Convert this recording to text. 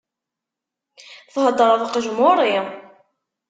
Theddreḍ qejmuri!